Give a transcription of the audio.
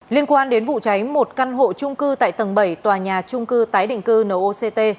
liên quan đến vụ cháy một căn hộ trung cư tại tầng bảy tòa nhà trung cư tái định cư noct